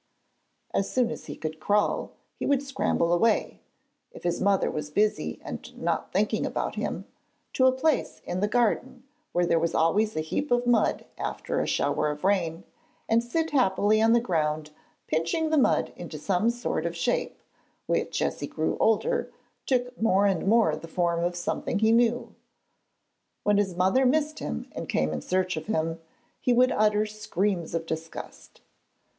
As soon as he could crawl, he would scramble away (if his mother was busy and not thinking about him) to a place in the garden where there was always a heap of mud after a shower of rain, and sit happily on the ground pinching the mud into some sort of shape, which as he grew older, took more and more the form of something he knew. When his mother missed him and came in search of him, he would utter screams of disgust.